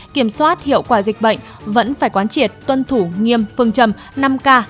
kiểm soát hiệu quả dịch bệnh vẫn phải quán triệt tuân thủ nghiêm phương trầm năm k